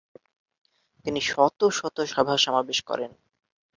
তিনি শত শত সভা-সমাবেশ করেন।